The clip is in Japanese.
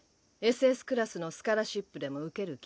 ＳＳクラスのスカラシップでも受ける気？